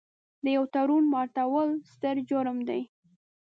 د یوه تړون ماتول ستر جرم دی.